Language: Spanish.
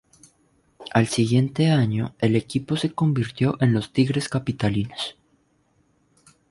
Al siguiente año el equipo se convirtió en los Tigres Capitalinos.